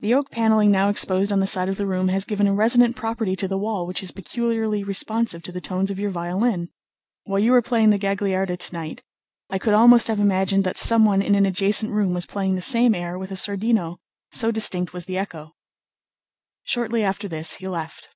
The oak panelling now exposed on the side of the room has given a resonant property to the wall which is peculiarly responsive to the tones of your violin. While you were playing the Gagliarda to night, I could almost have imagined that someone in an adjacent room was playing the same air with a sordino, so distinct was the echo." Shortly after this he left.